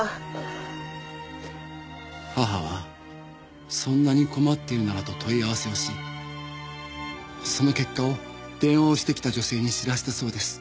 母はそんなに困っているならと問い合わせをしその結果を電話をしてきた女性に知らせたそうです。